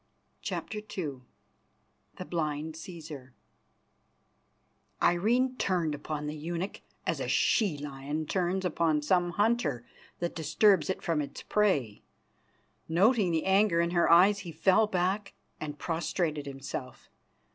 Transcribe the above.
CHAPTER II THE BLIND CÆSAR Irene turned upon the eunuch as a she lion turns upon some hunter that disturbs it from its prey. Noting the anger in her eyes, he fell back and prostrated himself.